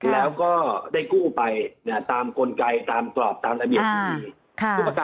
แล้วก็ได้กู้ไปเนี่ยตามกลไกตามกรอบตามละเบียด